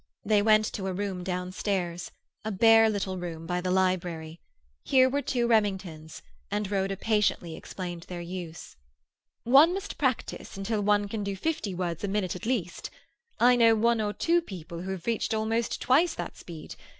They went to a room downstairs—a bare little room by the library. Here were two Remingtons, and Rhoda patiently explained their use. "One must practise until one can do fifty words a minute at least. I know one or two people who have reached almost twice that speed.